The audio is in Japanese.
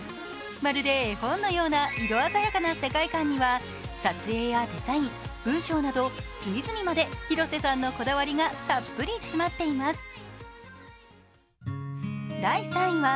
まるで絵本のような色鮮やかな世界観には撮影やデザイン、文章など隅々まで広瀬さんのこだわりがたっぷり詰まっています。